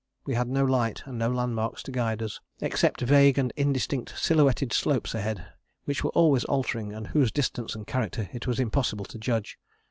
We had no light, and no landmarks to guide us, except vague and indistinct silhouetted slopes ahead, which were always altering and whose distance and character it was impossible to judge.